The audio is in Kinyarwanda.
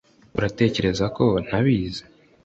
uratekereza ko ntabizi